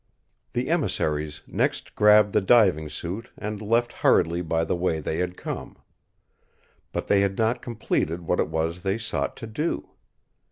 The emissaries next grabbed the diving suit and left hurriedly by the way they had come. But they had not completed what it was they sought to do.